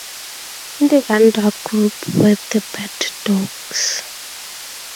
In the "gundog" group were the birddogs.